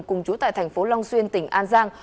cùng chú tại thành phố long xuyên tỉnh an giang